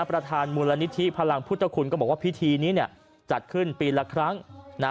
ประธานมูลนิธิพลังพุทธคุณก็บอกว่าพิธีนี้เนี่ยจัดขึ้นปีละครั้งนะ